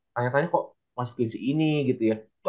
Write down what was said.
tanya tanya kok masukin si ini gitu ya